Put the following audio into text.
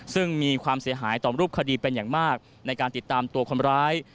ซึ่งมีความเสียหายต่อรูปคดีเป็นอย่างมากในการติดตามตัวคนร้าย